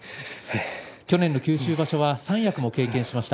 去年の九州場所は三役を経験しました。